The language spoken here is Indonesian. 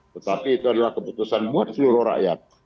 tetapi itu adalah keputusan buat seluruh rakyat